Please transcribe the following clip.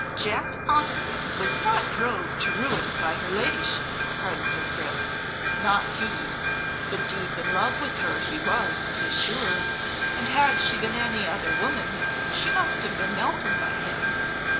"Jack Oxon was not drove to ruin by her ladyship," cried Sir Chris; "not he. But deep in love with her he was, 'tis sure, and had she been any other woman she must have been melted by him.